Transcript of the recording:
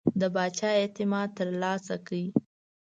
د پاچا اعتماد ترلاسه کړ.